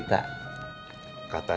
tidak ada yang ngerti